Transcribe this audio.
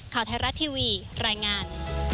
ข่าวไทยรัฐทีวีรายงาน